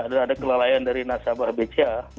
dan ada kelalaian dari nasabah bca